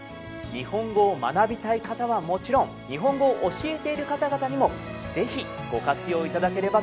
日本語を学びたい方はもちろん日本語を教えている方々にも是非ご活用いただければと思います。